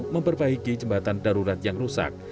memperbaiki jembatan darurat yang rusak